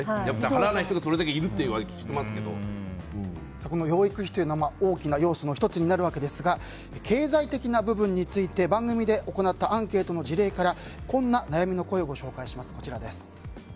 払わない人が養育費というのが大きな要素の１つになるわけですが経済的な部分について番組で行ったアンケートの事例からこんな悩みの声をご紹介します。